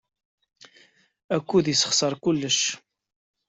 Akud yessexṣar kullec.